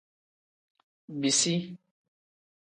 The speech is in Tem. Bisi.